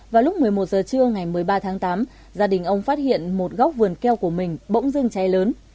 vào lúc một mươi một giờ trưa ngày một mươi ba tháng tám gia đình ông phát hiện một góc vườn keo của mình bỗng dưng cháy lớn